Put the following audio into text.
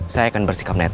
saya akan bersikap netral om